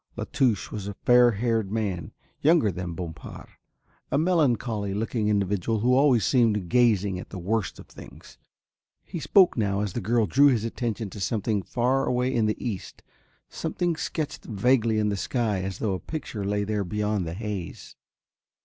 La Touche was a fair haired man, younger than Bompard, a melancholy looking individual who always seemed gazing at the worst of things. He spoke now as the girl drew his attention to something far away in the east, something sketched vaguely in the sky as though a picture lay there beyond the haze.